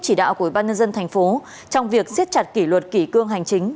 chỉ đạo của bác nhân dân thành phố trong việc xiết chặt kỷ luật kỷ cương hành chính